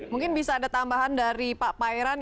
mungkin bisa ada tambahan dari pak pairan